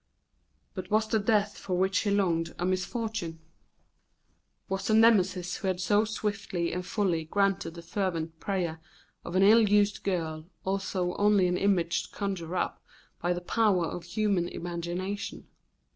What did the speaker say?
But was the death for which he longed a misfortune? Was the Nemesis who had so swiftly and fully granted the fervent prayer of an ill used girl also only an image conjured up by the power of human imagination?